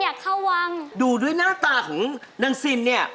ถ้าเกิดศิลป์ทำงานบ้านเสร็จแล้ว